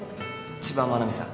千葉真奈美さん。